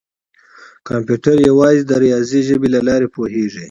کمپیوټر یوازې د ریاضي ژبې له لارې پوهېږي.